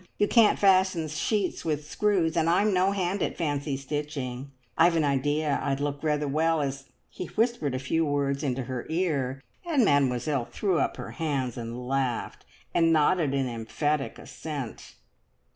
You can't fasten sheets with screws, and I'm no hand at fancy stitching. I've an idea I'd look rather well as " He whispered a few words in her ear, and Mademoiselle threw up her hands, and laughed, and nodded in emphatic assent.